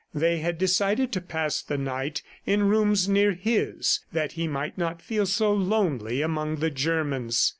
They had decided to pass the night in rooms near his, that he might not feel so lonely among the Germans.